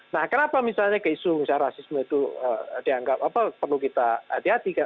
nah kenapa misalnya keisungan rasisme itu dianggap perlu kita hati hatikan